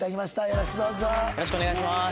よろしくお願いします。